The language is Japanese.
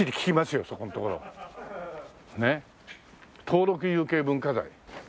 登録有形文化財。